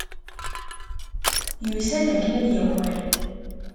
Yusa-d akken ad yaker.